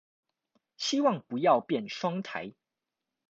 希望不要變雙颱